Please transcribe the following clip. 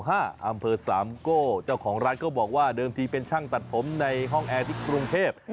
อำเภอสามโก้เจ้าของร้านก็บอกว่าเดิมทีเป็นช่างตัดผมในห้องแอร์ที่กรุงเทพ